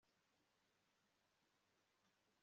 Nshimishijwe nibintu byinshi ntabwo ari umuziki gusa